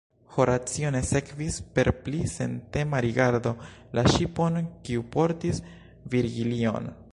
Horacio ne sekvis per pli sentema rigardo la ŝipon, kiu portis Virgilion.